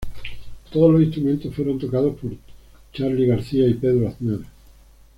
Todos los instrumentos fueron tocados por Charly García y Pedro Aznar.